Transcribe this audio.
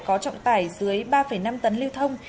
có trọng tải dưới ba năm tấn lưu thông